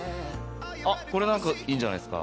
あっこれなんかいいんじゃないですか？